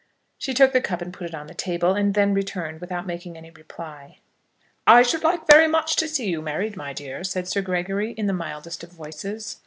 She took the cup and put it on the table, and then returned, without making any reply. "I should like very much to see you married, my dear," said Sir Gregory, in the mildest of voices.